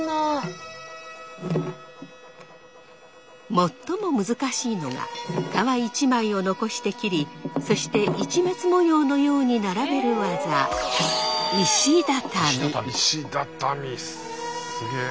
最も難しいのが皮一枚を残して切りそして市松模様のように並べる技石だたみすげえ。